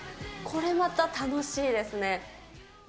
これまた楽しいですね。